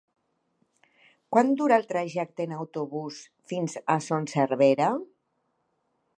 Quant dura el trajecte en autobús fins a Son Servera?